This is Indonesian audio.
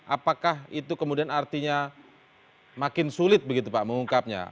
apakah itu kemudian artinya makin sulit begitu pak mengungkapnya